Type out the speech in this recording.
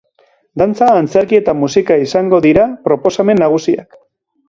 Dantza, antzerkia eta musika izango dira proposamen nagusiak.